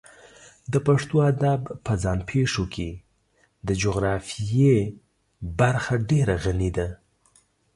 د پښتو ادب په ځان پېښو کې د جغرافیې برخه ډېره غني ده.